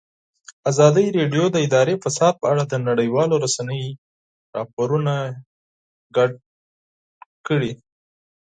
ازادي راډیو د اداري فساد په اړه د نړیوالو رسنیو راپورونه شریک کړي.